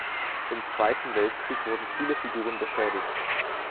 Im Zweiten Weltkrieg wurden viele Figuren beschädigt.